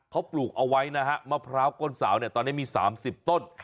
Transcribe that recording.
เขาปลูกเอาไว้นะฮะมะพร้าวก้นสาวเนี่ยตอนนี้มี๓๐ต้น